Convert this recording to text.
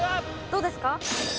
どうですか？